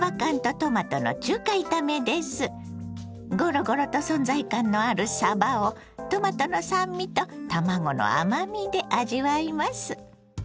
ごろごろと存在感のあるさばをトマトの酸味と卵の甘みで味わいます。